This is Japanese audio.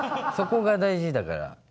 そこが大事だから。